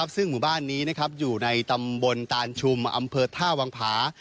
ซึ่งหมู่บ้านนี้อยู่ในตำบลตานชุมอำเภอท่าวังผา